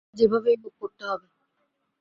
তোমাকে এটা যেভাবেই হোক করতে হবে।